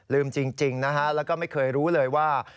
จริงนะฮะแล้วก็ไม่เคยรู้เลยว่า